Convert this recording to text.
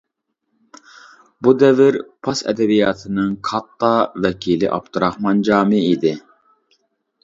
بۇ دەۋر پاس ئەدەبىياتنىڭ كاتتا ۋەكىلى ئابدۇراخمان جامى ئىدى.